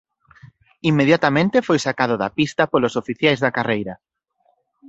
Inmediatamente foi sacado da pista polos oficiais da carreira.